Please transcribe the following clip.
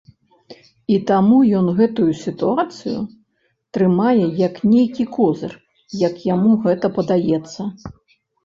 І таму ён гэтую сітуацыю трымае як нейкі козыр, як яму гэта падаецца.